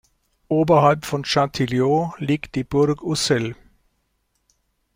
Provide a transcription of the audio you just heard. Oberhalb von Châtillon liegt die Burg Ussel.